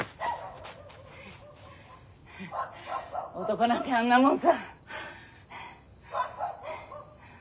フン男なんてあんなもんさ。